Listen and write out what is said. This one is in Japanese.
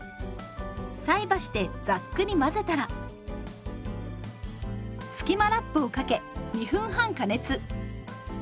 菜箸でざっくり混ぜたらスキマラップをかけ２分半加熱。